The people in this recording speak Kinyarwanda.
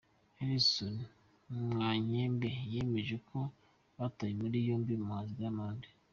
Harrison Mwakyembe yemeje ko bataye muri yombi umuhanzi Dimamond.